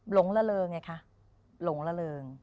หลงละเลิงไงคะหลงละเริง